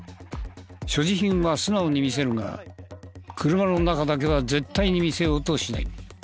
所持品は素直に見せるが車の中だけは絶対に見せようとしない。